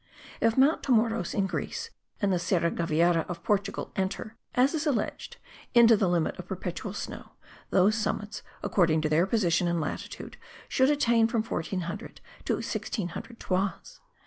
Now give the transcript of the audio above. If Mount Tomoros in Greece and the Serra Gaviarra of Portugal enter, as is alleged, into the limit of perpetual snow, those summits, according to their position in latitude, should attain from 1400 to 1600 toises.